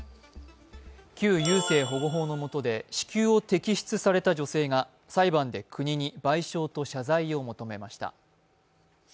旧優生保護法の下で子宮を摘出された女性が裁判で国に賠償と謝罪を訴えました。